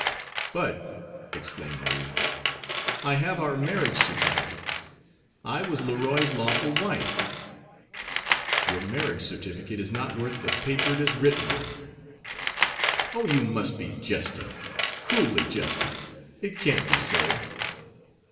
"But," exclaimed Marie, "I have our marriage certificate. I was Leroy's lawful wife." "Your marriage certificate is not worth the paper it is written on." "Oh, you must be jesting, cruelly jesting. It can't be so."